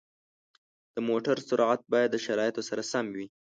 د موټرو سرعت باید د شرایطو سره سم وي.